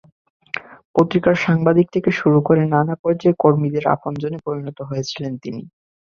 পত্রিকার সাংবাদিক থেকে শুরু করে নানা পর্যায়ের কর্মীদের আপনজনে পরিণত হয়েছিলেন তিনি।